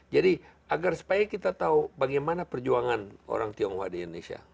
jadi agar supaya kita tahu bagaimana perjuangan orang tionghoa di indonesia